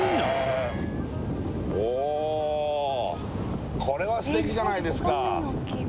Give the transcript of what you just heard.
おこれは素敵じゃないですか